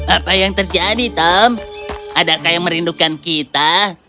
apa yang terjadi tom adakah yang merindukan kita